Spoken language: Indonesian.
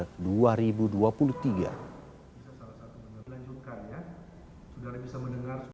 sudara bisa mendengar